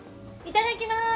いただきます。